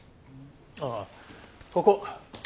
ああここ。